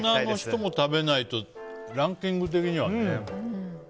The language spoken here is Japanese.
大人の人も食べないとランキング的にはね。